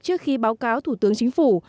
trước khi báo cáo thủ tướng chính phủ